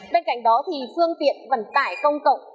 bên cạnh đó thì phương tiện vận tải công cộng